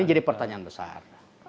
ini jadi pertanyaan besar